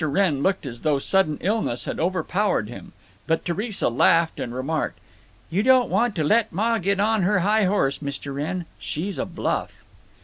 Wrenn looked as though sudden illness had overpowered him. But Theresa laughed, and remarked: "You don't want to let Ma get on her high horse, Mr. Wrenn. She's a bluff."